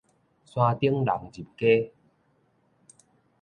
山頂人入街